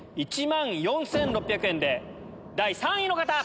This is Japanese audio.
１万４６００円で第３位の方！